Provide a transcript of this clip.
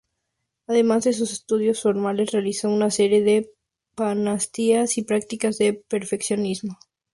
Además de sus estudios formales realizó una serie de pasantías y prácticas de perfeccionamiento.